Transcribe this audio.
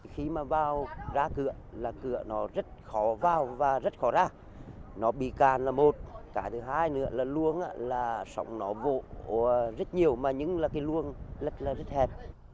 khi mà vào ra cửa là cửa nó rất khó vào và rất khó ra nó bị cạn là một cái thứ hai nữa là luông là sóng nó vỗ rất nhiều mà những là cái luông rất là rất hẹp